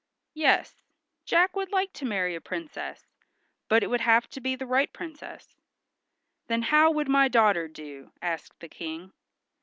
Yes, Jack would like to marry a princess, but it would have to be the right princess. "Then how would my daughter do?" asked the King.